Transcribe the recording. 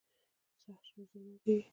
سخت شی ژر ماتیږي.